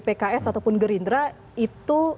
pks ataupun gerindra itu